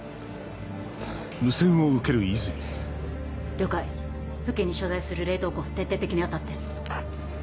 了解付近に所在する冷凍庫を徹底的に当たって。